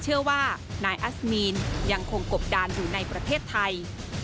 เชื่อว่านายอัสมีนยังคงกบดานอยู่ในประเทศไทย